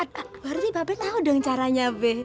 waduh ini mbak be tau dong caranya be